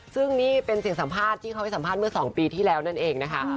ซึ่งนี่เป็นเสียงสัมภาษณ์ที่เขาให้สัมภาษณ์เมื่อ๒ปีที่แล้วนั่นเองนะคะ